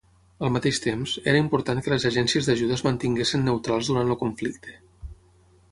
Al mateix temps, era important que les agències d'ajuda es mantinguessin neutrals durant el conflicte.